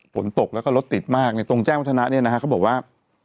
ผลตกและรถติดมากนะครับตรงแจ้วทรนะนี่นะครับเขาบอกว่า